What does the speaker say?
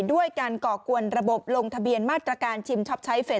ด้วยการก่อกวนระบบลงทะเบียนมาตรการชิมช็อปใช้เฟส